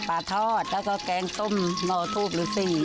ปลาทอดแล้วก็แกงส้มหน่อทูปหรือสี